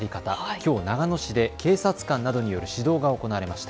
きょう長野市で警察官などによる指導が行われました。